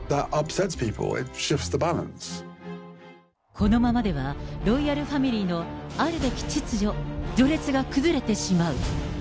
このままでは、ロイヤルファミリーのあるべき秩序・序列が崩れてしまう。